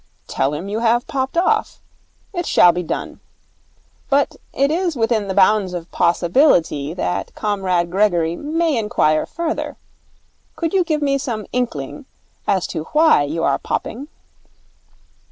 'Tell him you have popped off. It shall be done. But it is within the bounds of possibility that Comrade Gregory may inquire further. Could you give me some inkling as to why you are popping?'